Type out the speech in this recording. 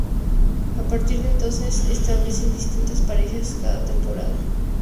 A partir de entonces establece distintas parejas cada temporada.